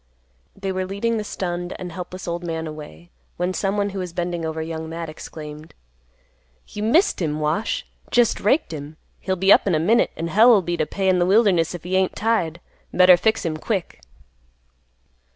They were leading the stunned and helpless old man away, when someone, who was bending over Young Matt, exclaimed, "You missed him, Wash! Jest raked him. He'll be up in a minute. An' hell 'll be to pay in th' wilderness if he ain't tied. Better fix him quick."